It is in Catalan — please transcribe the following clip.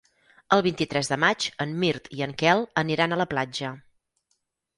El vint-i-tres de maig en Mirt i en Quel aniran a la platja.